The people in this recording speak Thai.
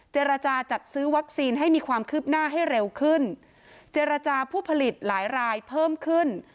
เจรจาจัดซื้อวัคซีนให้มีความคืบหน้าให้เร็วขึ้นเจรจาผู้ผลิตหลายรายเพิ่มขึ้น